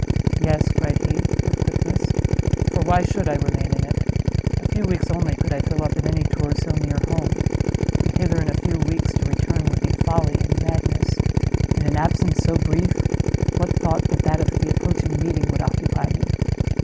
"Yes," cried he, with quickness, "for why should I remain in it? a few weeks only could I fill up in any tour so near home, and hither in a few weeks to return would be folly and madness; in an absence so brief, what thought but that of the approaching meeting would occupy me?